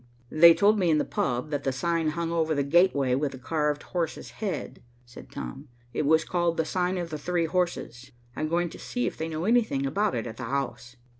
"They told me in the pub that the sign hung over the gateway with the carved horse's head," said Tom. "It was called the sign of the three horses. I'm going to see if they know anything about it at the house."